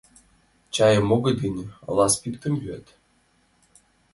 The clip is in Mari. Чайым огыт гын, ала спиртым йӱат?